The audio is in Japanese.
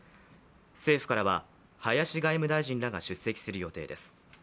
政府からは林外務大臣らが出席する予定です。